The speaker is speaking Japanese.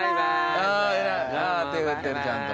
手振ってるちゃんと。